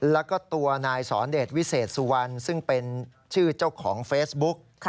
แล้วก็ตัวนายสอนเดชวิเศษสุวรรณซึ่งเป็นชื่อเจ้าของเฟซบุ๊ก